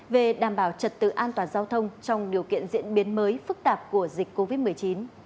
về đảm bảo trật tự an toàn giao thông trong điều kiện diễn biến mới phức tạp của dịch covid một mươi chín